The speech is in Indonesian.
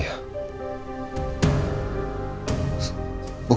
yeah bapak bapak